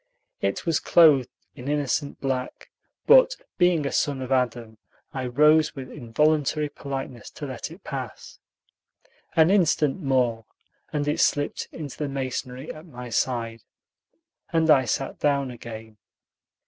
It was clothed in innocent black; but, being a son of Adam, I rose with involuntary politeness to let it pass. An instant more, and it slipped into the masonry at my side, and I sat down again.